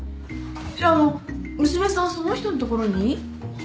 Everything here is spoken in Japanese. じゃあ娘さんその人の所に？